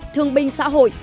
thương binh xã hội